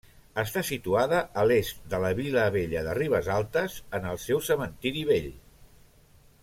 Està situada, a l'est de la vila vella de Ribesaltes, en el seu cementiri vell.